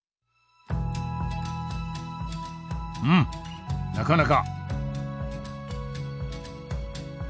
うんなかなか！